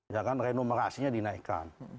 ya kan renumerasinya dinaikkan